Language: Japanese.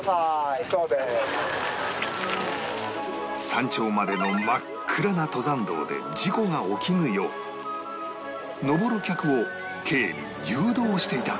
山頂までの真っ暗な登山道で事故が起きぬよう登る客を警備・誘導していた